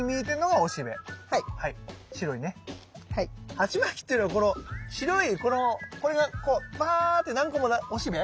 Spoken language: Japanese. ハチマキっていうのこの白いこれがこうパーッて何個もおしべ？